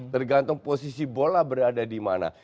tergantung posisi bola berada di mana